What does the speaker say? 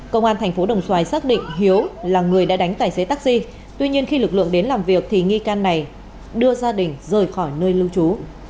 công an thành phố đồng xoài xác định hiếu là người đã đánh tài xế taxi tuy nhiên khi lực lượng đến làm việc thì nghi can này đưa gia đình rời khỏi nơi lưu trú